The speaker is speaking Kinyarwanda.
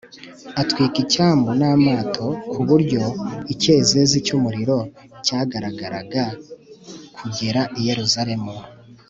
atwika icyambu n'amato, ku buryo icyezezi cy'umuriro cyagaragaraga kugera i yeruzalemu